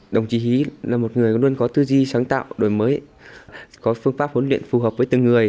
đồng chí hí là một người luôn có tư di sáng tạo đổi mới có phương pháp huấn luyện phù hợp với từng người